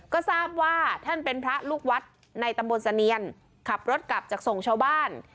ก็ทราบว่าท่านเป็นพระลูกวัดในตำบลเสนียนขับรถกลับจากส่งชาวบ้าน